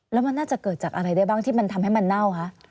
แล้วมันน่าจะเกิดจากอะไรได้บ้างที่มันทำให้มันเน่าคะ